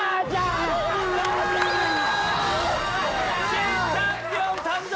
新チャンピオン誕生！